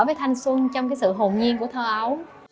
với thanh xuân trong cái sự hồn nhiên của thơ ấu